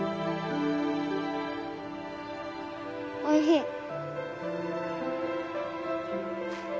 おいしい